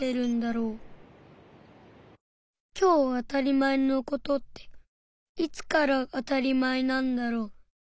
今日あたりまえの事っていつからあたりまえなんだろう？